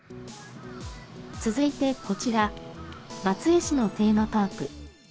続いてこちら、松江市のテーマパーク。